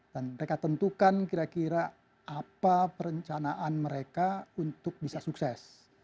dan mereka tentukan kira kira apa perencanaan mereka untuk bisa sukses